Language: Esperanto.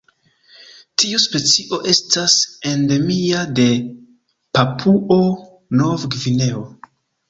Tiu specio estas endemia de Papuo-Nov-Gvineo.